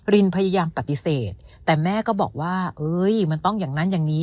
รินพยายามปฏิเสธแต่แม่ก็บอกว่าเอ้ยมันต้องอย่างนั้นอย่างนี้